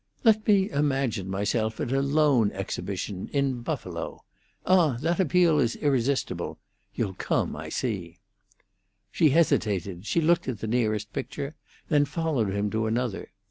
"Let me imagine myself at a loan exhibition in Buffalo. Ah! that appeal is irresistible. You'll come, I see." She hesitated; she looked at the nearest picture, then followed him to another.